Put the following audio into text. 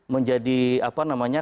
menjadi apa namanya